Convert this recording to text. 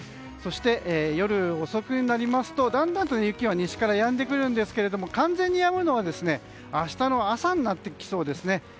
そして、夜遅くになりますとだんだんと雪は西からやんでくるんですが完全にやむのは明日の朝になってきそうですね。